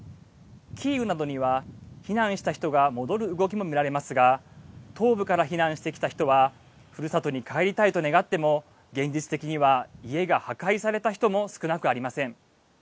キーウなどには避難した人が戻る動きも見られますが東部から避難してきた人はふるさとに帰りたいと願っても現実的には家が破壊された人も少なくありません。